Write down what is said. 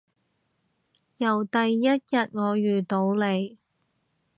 由第一日我遇到你